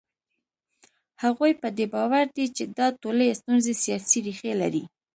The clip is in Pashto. هغوی په دې باور دي چې دا ټولې ستونزې سیاسي ریښې لري.